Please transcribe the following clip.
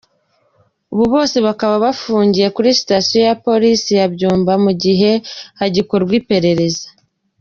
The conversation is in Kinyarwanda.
Ubu bose bakaba bafungiye kuri sitasiyo ya Polisi ya Byumba mu gihe hagikorwa iperereza.